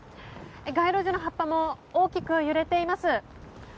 街路樹の葉っぱも大きく揺れています。